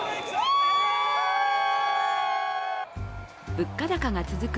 物価高が続く